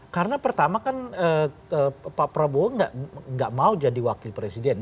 karena pertama kan pak prabowo enggak mau jadi wakil presiden